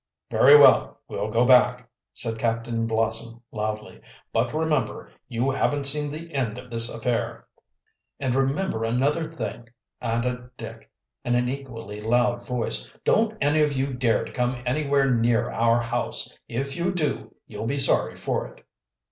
"Very well, we'll go back," said Captain Blossom loudly. "But, remember, you haven't seen the end of this affair." "And remember another thing," added Dick, in an equally loud voice: "Don't any of you dare to come anywhere near our house. If you do, you'll be sorry for it."